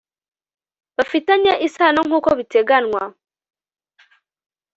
bafitanye isano nk uko biteganywa